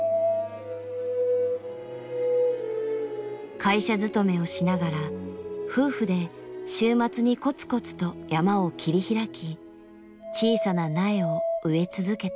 会社勤めをしながら夫婦で週末にコツコツと山を切り開き小さな苗を植え続けた。